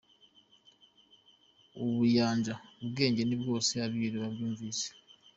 ubuyanja ubwenge ni bwose”. Abiru babyumvise